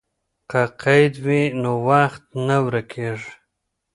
که قید وي نو وخت نه ورکېږي.